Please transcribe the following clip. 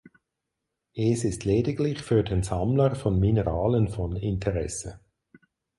Es ist lediglich für den Sammler von Mineralen von Interesse.